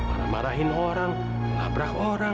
marah marahin orang melabrak orang